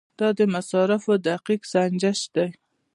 دا د مصارفو دقیق سنجش دی.